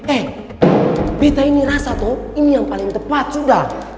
eh kita ini rasa tuh ini yang paling tepat sudah